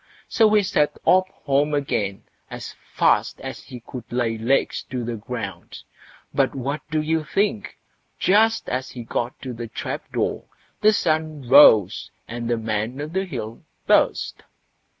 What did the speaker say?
So he set off home again as fast as he could lay legs to the ground; but what do you think, just as he got to the trap door, the sun rose and the Man o' the Hill burst.